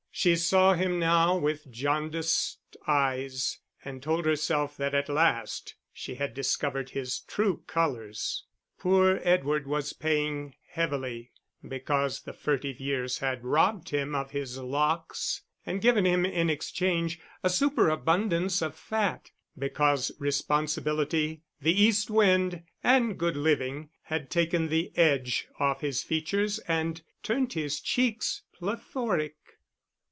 She saw him now with jaundiced eyes, and told herself that at last she had discovered his true colours. Poor Edward was paying heavily because the furtive years had robbed him of his locks and given him in exchange a superabundance of fat; because responsibility, the east wind, and good living, had taken the edge off his features and turned his cheeks plethoric.